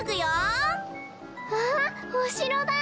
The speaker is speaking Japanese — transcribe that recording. あっお城だ！